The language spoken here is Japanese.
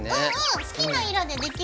好きな色でできるしね。